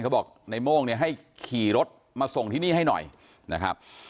เขาบอกในโม่งเนี่ยให้ขี่รถมาส่งที่นี่ให้หน่อยนะครับ